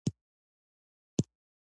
ایا ستاسو ذهن خلاق دی؟